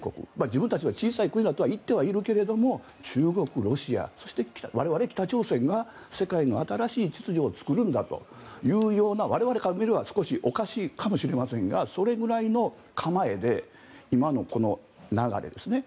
自分たちは小さい国だとは言っているけれども中国、ロシアそして我々北朝鮮が世界の新しい秩序を作るんだというような我々から見れば少しおかしいかもしれませんがそれぐらいの構えで今のこの流れですね。